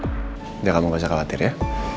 tidak kamu gak usah khawatir ya